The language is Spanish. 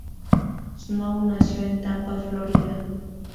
Snow nació en Tampa, Florida.